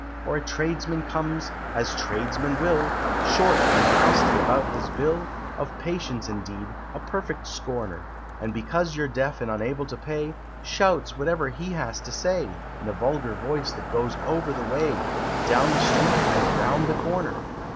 Or a tradesman comes as tradesmen will Short and crusty about his bill, Of patience, indeed, a perfect scorner, And because you're deaf and unable to pay, Shouts whatever he has to say, In a vulgar voice, that goes over the way, Down the street and round the corner!